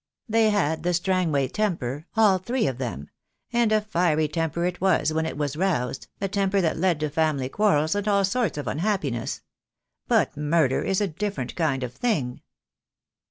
They had the Strangway temper, all three of them; and a fiery temper it was when it was roused, a temper that led to family quarrels and all sorts of unhappiness; but murder is a different kind of thing."